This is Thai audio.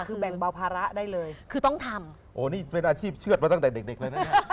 คือแบ่งเบาภาระได้เลยคือต้องทำโอ้นี่เป็นอาชีพเชื่อดมาตั้งแต่เด็กเด็กเลยนะฮะ